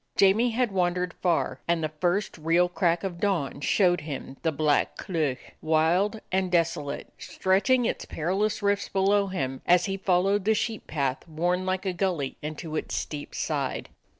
Jamie had wandered far, and the first real crack of dawn showed him the Black Cleuch, wild and desolate, stretching its perilous rifts below him as he followed the sheep path worn like a gully into its steep side.